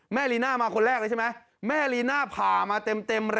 ลีน่ามาคนแรกเลยใช่ไหมแม่ลีน่าผ่ามาเต็มเลย